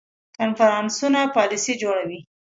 کنفرانسونه پالیسي جوړوي